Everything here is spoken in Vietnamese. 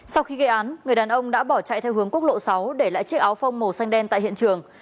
sau khi gây án người đàn ông đã bỏ chạy theo hướng quốc lộ sáu để lại chiếc áo phông màu xanh đen tại hiện trường